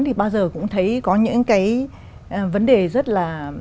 thì bao giờ cũng thấy có những cái vấn đề rất là